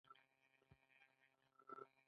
ایا تور زیړی لرئ؟